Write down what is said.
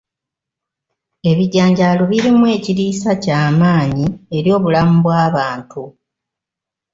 Ebijanjaalo birimu ekiriisa ky'amaanyi eri obulamu bw'abantu